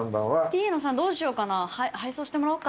Ｔの３どうしようかな配送してもらおっか。